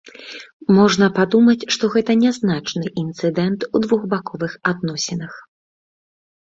Можна падумаць, што гэта нязначны інцыдэнт у двухбаковых адносінах.